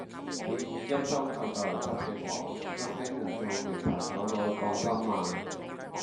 用現金收購就黎執既廠，再請人造名牌手袋當真賣